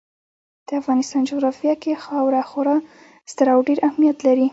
د افغانستان جغرافیه کې خاوره خورا ستر او ډېر اهمیت لري.